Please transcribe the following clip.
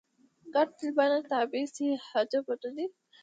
که دلبران یې تابع شي عجب نه دی.